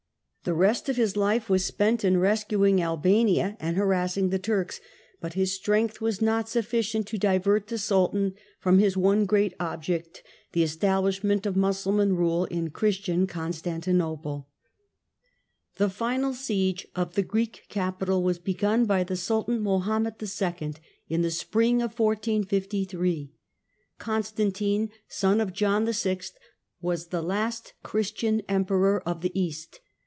The rest of his Hfe was spent in rescuing Albania and harassing the Turks, but his strength was not sufficient to divert the Sultan from his one great object, the establishment of Mussulman rule in Christian Constantinople. Last Siege The final siege of the Greek capital was begun by thiopC""the Sultan Mahomet II. in the spring of 1453; Con 1*5^ stantine, son of John VI., was the last Christian Emperor of the East.